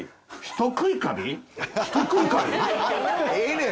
ええねん。